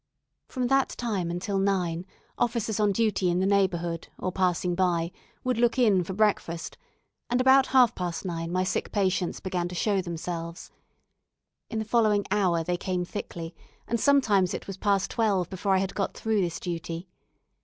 From that time until nine, officers on duty in the neighbourhood, or passing by, would look in for breakfast, and about half past nine my sick patients began to show themselves. In the following hour they came thickly, and sometimes it was past twelve before I had got through this duty.